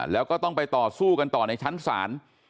แล้วก็ต้องไปต่อสู้กันต่อในชั้นศาล